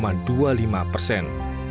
lima dua puluh lima persen